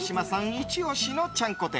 イチ押しのちゃんこ店